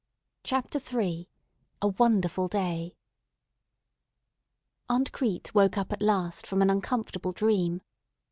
CHAPTER III A WONDERFUL DAY AUNT CRETE woke up at last from an uncomfortable dream.